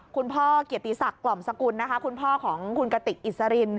คุณพ่อเกียรติศักรรมสกุลคุณพ่อของคุณกะติกอิติริน